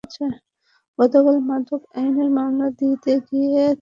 গতকাল মাদক আইনে মামলা দিয়ে তাঁদের চাটমোহর থানায় সোপর্দ করা হয়েছে।